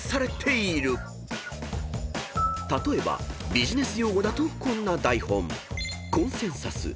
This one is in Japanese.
［例えば「ビジネス用語」だとこんな台本］